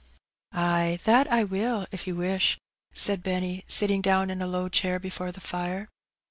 "Ay, that I will, if you wish," said Benny, sitting down in a low chair before the fire.